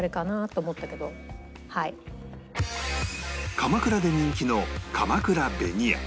鎌倉で人気の鎌倉紅谷